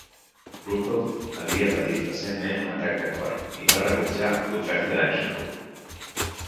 Ruppelt havia patit recentment un atac de cor i va rebutjar l'oferta de Keyhoe.